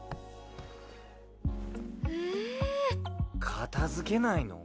片付けないの？